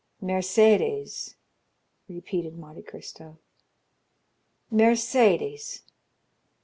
"Mercédès!" repeated Monte Cristo; "Mercédès!